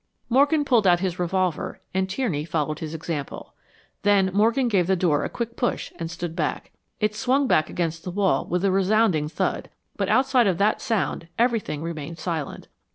Morgan pulled out his revolver and Tierney followed his example. Then Morgan gave the door a quick push and stood back. It swung back against the wall with a resounding thud, but outside of that sound everything remained silent.